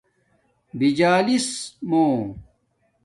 بجالس مُو